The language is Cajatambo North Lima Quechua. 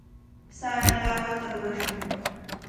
Sara lawata rurashun.